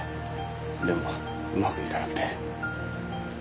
でもうまくいかなくて。